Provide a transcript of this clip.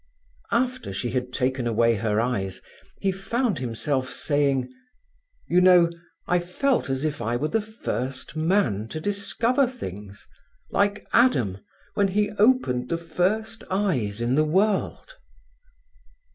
After she had taken away her eyes he found himself saying: "You know, I felt as if I were the first man to discover things: like Adam when he opened the first eyes in the world."